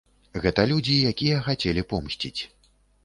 Гэта людзі, якія хацелі помсціць.